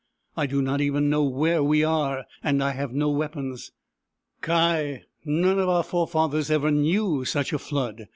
I do not even know where we are, and I have no weapons. Ky ! none of our forefathers ever knew such a flood !